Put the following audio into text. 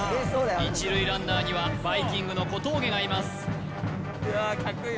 １塁ランナーにはバイきんぐの小峠がいます